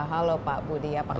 halo pak budi apa kabar